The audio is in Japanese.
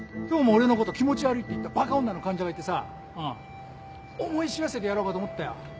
今日も俺のこと気持ち悪いって言ったバカ女の患者がいてさ思い知らせてやろうかと思ったよ